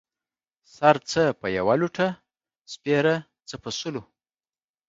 سر څه په يوه لوټۀ سپيره ، څه په سلو.